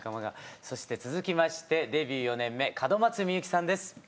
そして続きましてデビュー４年目門松みゆきさんです。